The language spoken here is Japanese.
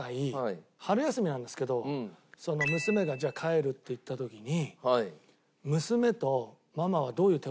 娘が「じゃあ帰る」って言った時に。